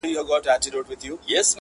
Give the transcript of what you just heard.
o تورلباس واغوندهیاره باک یې نسته,